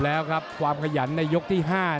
หรือว่าผู้สุดท้ายมีสิงคลอยวิทยาหมูสะพานใหม่